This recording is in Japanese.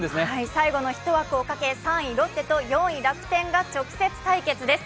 最後の１枠をかけ、３位・ロッテと４位・楽天が直接対決です。